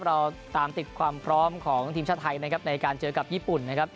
เราตามติดความพร้อมของทีมชาติไทยนะครับในการเจอกับญี่ปุ่นนะครับ